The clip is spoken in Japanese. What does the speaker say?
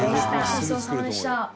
ごちそうさまでした。